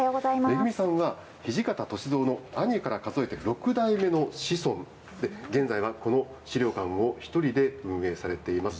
愛さんは土方歳三の兄から数えて６代目の子孫で、現在はこの資料館を１人で運営されています。